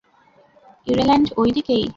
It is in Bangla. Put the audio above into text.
ইরেল্যান্ড ঐ দিকেই!